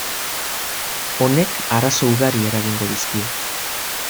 Honek arazo ugari eragingo dizkie.